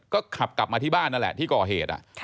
ก็ขับกลับมาที่บ้านนั่นแหละที่ก่อเหตุ